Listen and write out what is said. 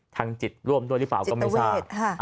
ทางจิตร่วมด้วยหรือเปล่าก็ไม่ทราบ